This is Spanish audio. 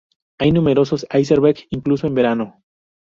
Hay numerosos iceberg, incluso en verano.